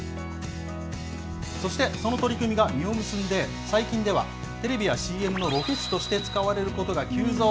そしてその取り組みが実を結んで、最近ではテレビやＣＭのロケ地として使われることが急増。